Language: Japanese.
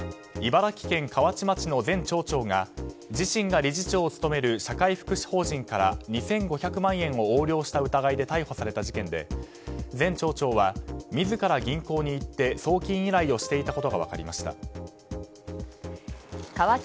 茨城県河内町の前町長が自身が理事長を務める社会福祉法人から２５００万円を横領した疑いで逮捕された事件で前町長は自ら銀行に行って送金依頼をしていたことが分かりました。